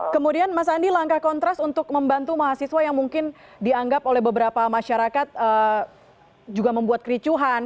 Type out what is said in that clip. kemudian mas andi langkah kontras untuk membantu mahasiswa yang mungkin dianggap oleh beberapa masyarakat juga membuat kericuhan